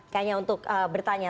kayaknya untuk bertanya